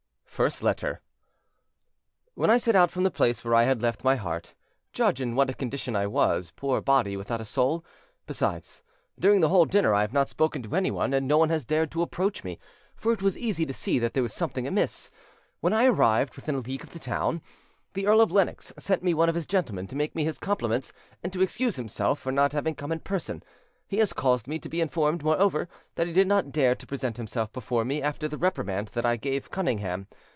FIRST LETTER "When I set out from the place where I had left my heart, judge in what a condition I was, poor body without a soul: besides, during the whole of dinner I have not spoken to anyone, and no one has dared to approach me, for it was easy to see that there was something amiss. When I arrived within a league of the town, the Earl of Lennox sent me one of his gentlemen to make me his compliments, and to excuse himself for not having come in person; he has caused me to be informed, moreover, that he did not dare to present himself before me after the reprimand that I gave Cunningham.